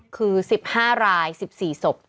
คือ๑๕ราย๑๔ศพ